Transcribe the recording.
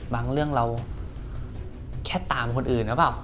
เรื่องเราแค่ตามคนอื่นหรือเปล่า